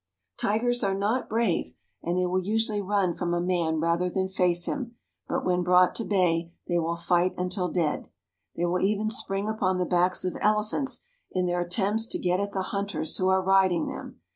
Tigers are not brave, and they will usually run from a man rather than face him ; but when brought to bay, they will light until dead. They will even spring upon the backs of elephants in their attempts to get at the hunters who are riding them.